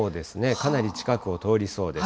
かなり近くを通りそうです。